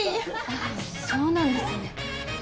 ああそうなんですね